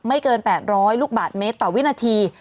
เกิน๘๐๐ลูกบาทเมตรต่อวินาที